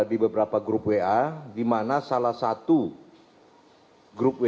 di beberapa grup wa di mana salah satu grup w